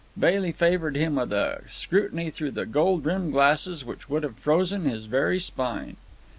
Bailey favoured him with a scrutiny through the gold rimmed glasses which would have frozen his very spine.